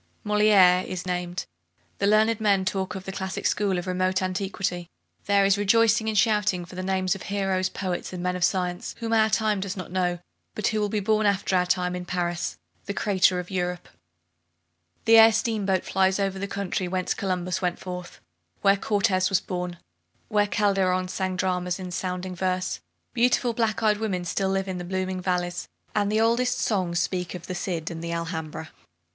Moliere is named, the learned men talk of the classic school of remote antiquity. There is rejoicing and shouting for the names of heroes, poets, and men of science, whom our time does not know, but who will be born after our time in Paris, the centre of Europe, and elsewhere. The air steamboat flies over the country whence Columbus went forth, where Cortez was born, and where Calderon sang dramas in sounding verse. Beautiful black eyed women live still in the blooming valleys, and the oldest songs speak of the Cid and the Alhambra.